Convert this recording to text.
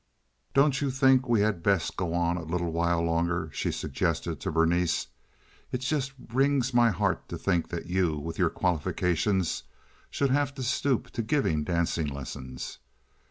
"Don't you think we had best go on a little while longer?" she suggested to Berenice. "It just wrings my heart to think that you, with your qualifications, should have to stoop to giving dancing lessons.